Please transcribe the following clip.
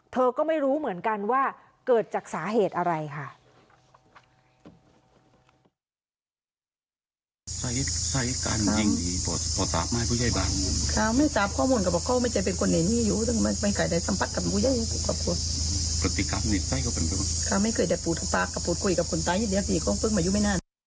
เธอก็ไม่รู้เหมือนกันว่าเกิดจากสาเหตุอะไรค่ะ